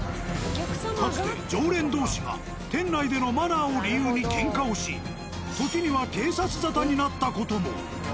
かつて常連同士が店内でのマナーを理由にけんかをし時には警察沙汰になった事も。